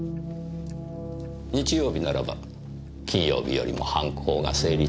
日曜日ならば金曜日よりも犯行が成立する可能性が高い。